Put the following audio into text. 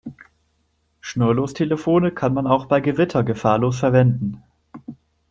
Schnurlostelefone kann man auch bei Gewitter gefahrlos verwenden.